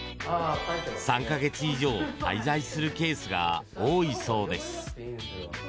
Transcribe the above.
３か月以上、滞在するケースが多いそうです。